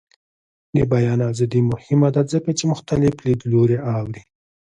د بیان ازادي مهمه ده ځکه چې مختلف لیدلوري اوري.